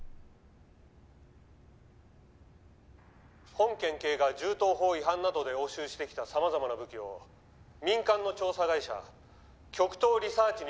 本県警が銃刀法違反などで押収してきたさまざまな武器を民間の調査会社極東リサーチに。